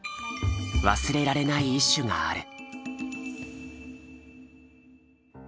忘れられない一首がある。